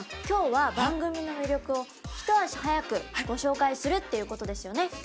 今日は番組の魅力を一足早くご紹介するっていうことですよね。